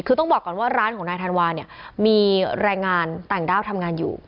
คือต้องบอกก่อนว่าร้านของนายธันวาเนี่ยมีแรงงานต่างด้าวทำงานอยู่